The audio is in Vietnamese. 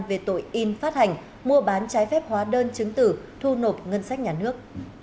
về tội in phát hành mua bán trái phép hóa đơn chứng tử thu nộp ngân sách nhà nước